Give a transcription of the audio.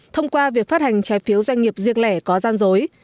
thông qua việc phát hành trái phiếu doanh nghiệp riêng lẻ có gian dối